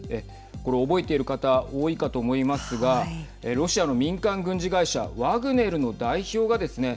これ覚えている方多いかと思いますがロシアの民間軍事会社ワグネルの代表がですね